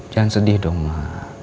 jangan sedih dong ma